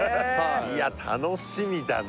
いや楽しみだな